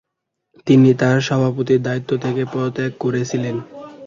তিনি তার সভাপতির দায়িত্ব থেকে পদত্যাগ করেছিলেন।